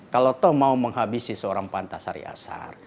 kalau mau menghabisi seorang pak antasari ashar